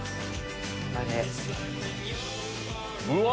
うわ！